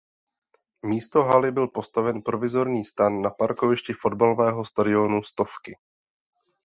Místo haly byl postaven provizorní stan na parkovišti fotbalového stadionu Stovky.